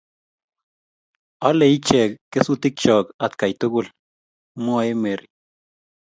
olei ichek kesutikcho atkai tugul, mwoei Mary